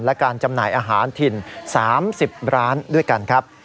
และการจำหน่ายอาหารถิ่น๓๐ร้านด้วยกันครับ